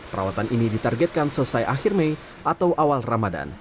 perawatan ini ditargetkan selesai akhir mei atau awal ramadan